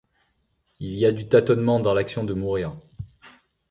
Il y a du tâtonnement dans l'action de mourir.